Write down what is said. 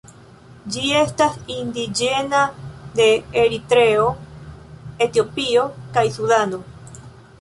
Ĝi estas indiĝena de Eritreo, Etiopio, kaj Sudano.